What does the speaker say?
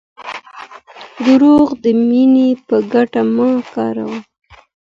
دروغ د مینې په ګټه مه کاروه.